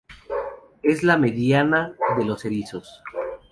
Es la mediana de los erizos.